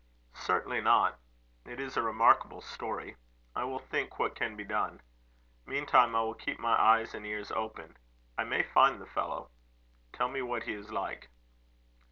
"Certainly not. It is a remarkable story. I will think what can be done. Meantime I will keep my eyes and ears open. I may find the fellow. Tell me what he is like."